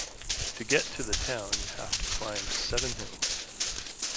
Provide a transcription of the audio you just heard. To get to the town you have to climb seven hills.